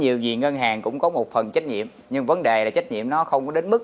dù gì ngân hàng cũng có một phần trách nhiệm nhưng vấn đề là trách nhiệm nó không có đến mức